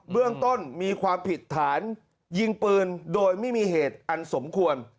เรื่องต้นมีความผิดฐานยิงปืนโดยไม่มีเหตุอันสมควร